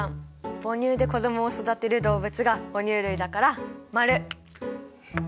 母乳で子どもを育てる動物が哺乳類だから○！